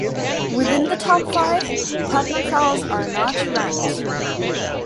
Within the top five, Putnam Fellows are not ranked.